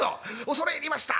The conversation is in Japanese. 「恐れ入りました！」。